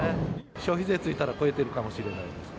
消費税ついたら超えてるかもしれないです。